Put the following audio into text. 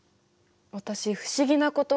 私不思議なことがある。